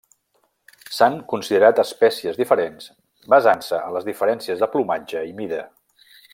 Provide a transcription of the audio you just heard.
S'han considerat espècies diferents basant-se en les diferències de plomatge i mida.